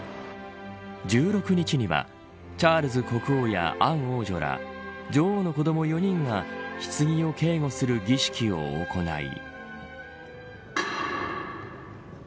１６日にはチャールズ国王やアン王女ら女王の子ども４人がひつぎを警護する儀式を行い。